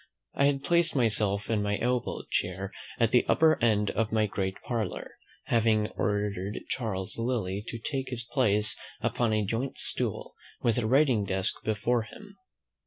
I had placed myself in my elbow chair at the upper end of my great parlour, having ordered Charles Lillie to take his place upon a joint stool, with a writing desk before him.